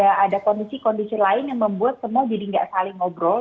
atau memang ada kondisi kondisi lain yang membuat semua jadi enggak saling ngobrol